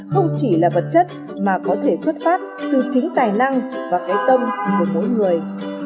không chỉ là vật chất mà có thể xuất phát từ chính tài năng và cái tâm của mỗi người